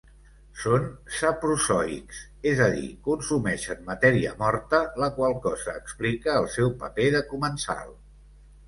Són saprozoïcs, és a dir, consumeixen matèria morta, la qual cosa explica el seu paper de comensal.